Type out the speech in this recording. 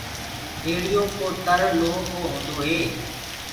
ريڙهيو ڪوُ تر لوه ڪو هوندو هي۔